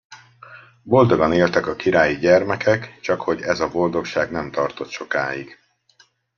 Boldogan éltek a királyi gyermekek, csakhogy ez a boldogság nem tartott sokáig.